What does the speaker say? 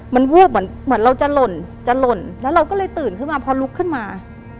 มันวูบเหมือนเราจะหล่นจะหล่นแล้วเราก็เลยตื่นขึ้นมาพอลุกขึ้นมา